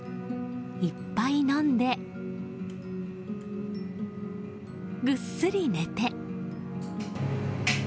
いっぱい飲んでぐっすり寝て。